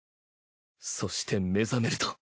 そして目覚めると。